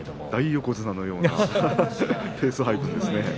大横綱のような話ですね。